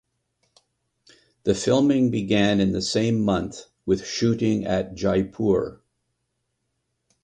The filming began in the same month with shooting at Jaipur.